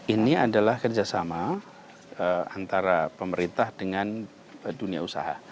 ini adalah kerjasama antara pemerintah dengan dunia usaha